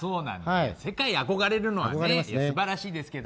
世界に憧れるのは素晴らしいですけど。